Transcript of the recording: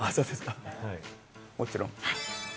もちろん。